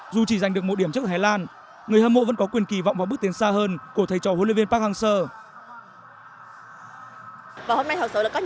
dù chỉ giành được một điểm trước ở thái lan người hâm mộ vẫn có quyền kỳ vọng vào bước tiến xa hơn của thầy trò huấn luyện viên park hang seo